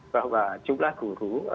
bahwa jumlah guru